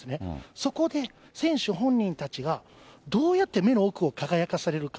そこで選手本人たちがどうやって目の奥を輝かせられるか。